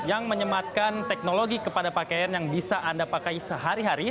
yang menyematkan teknologi kepada pakaian yang bisa anda pakai sehari hari